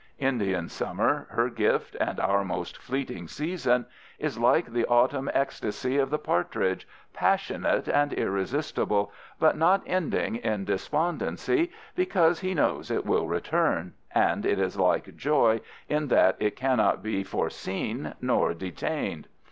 Indian summer, her gift and our most fleeting season, is like the autumn ecstasy of the partridge, passionate and irresistible, but not ending in despondency because he knows it will return, and it is like joy in that it cannot be foreseen nor detained.